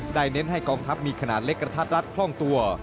เน้นให้กองทัพมีขนาดเล็กกระทัดรัดคล่องตัว